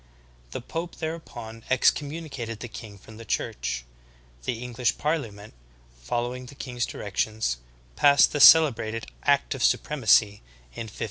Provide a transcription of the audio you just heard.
The pope thereupon ex communicated the king from the Church. The EngMsh parli ament, following the king's directions, passed the celebrated Act of Supremacy in 1534.